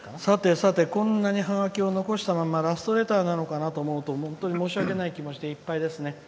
さてこんなにハガキを残したままラストレターなのかなと思うと、申し訳ない気持ちでいっぱいですね。